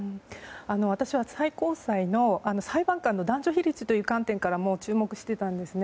私は、最高裁の裁判官の男女比率という観点からも注目していたんですね。